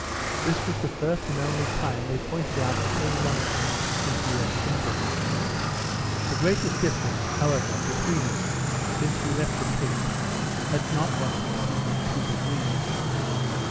This was the first and only time they pointed out the same longitude since we left England. The greatest difference, however, between them, since we left the Cape, had not much exceeded two degrees.